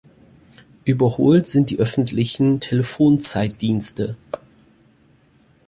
Überholt sind die öffentlichen Telefon-Zeitdienste.